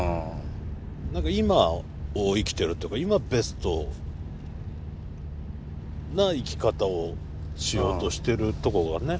何か今を生きているというか今ベストな生き方をしようとしているところがね。